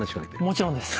もちろんです。